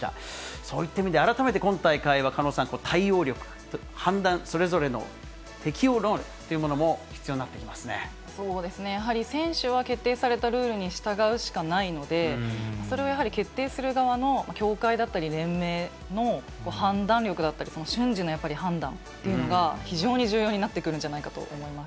そういった意味で、改めて今大会は狩野さん、対応力、判断、それぞれの適応能力というものもそうですね、やはり選手は決定されたルールに従うしかないので、それをやはり決定する側の協会だったり、連盟の判断力だったり、その瞬時のやっぱり、判断っていうのが非常に重要になってくるんじゃないかと思います。